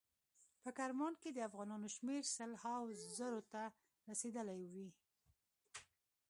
په کرمان کې د افغانانو شمیر سل هاو زرو ته رسیدلی وي.